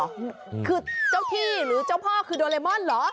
คือเจ้าที่หรือเจ้าพ่อคือโดเรมอนเหรอ